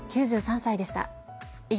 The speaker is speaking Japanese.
９３歳でした。